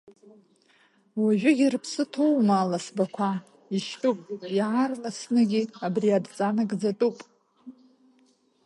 Уажәгьы рыԥсы ҭоума аласбақәа, ишьтәуп, иаарласынгьы абри адҵа нагӡатәуп…